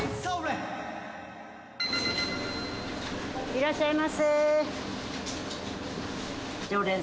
いらっしゃいませ。